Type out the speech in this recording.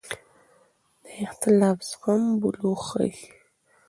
د اختلاف زغم بلوغ ښيي